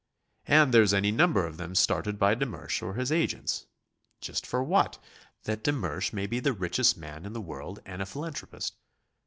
And there's any number of them started by de Mersch or his agents. Just for what? That de Mersch may be the richest man in the world and a philanthropist.